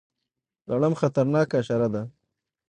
لړم خطرناکه حشره ده